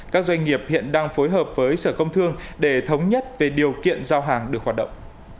các doanh nghiệp hiện đang phối hợp với sở công thương để thống nhất về điều kiện giao hàng được hoạt động